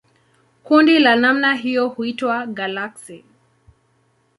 Kundi la namna hiyo huitwa galaksi.